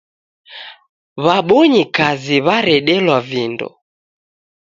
W'abonyikazi w'aredelwa vindo